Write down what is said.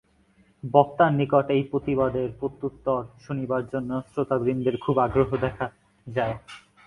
বক্তার নিকট এই প্রতিবাদের প্রত্যুত্তর শুনিবার জন্য শ্রোতৃবৃন্দের খুব আগ্রহ দেখা যায়।